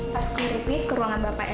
pas security ke ruangan bapak ya